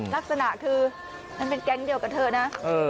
ลักษณะคือมันเป็นแก๊งเดียวกับเธอนะ